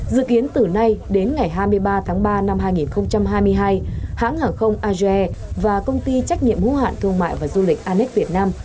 dự kiến từ nay đến ngày hai mươi ba tháng ba năm hai nghìn hai mươi hai hãng hàng không azer và công ty trách nhiệm hữu hạn thương mại và du lịch annec việt nam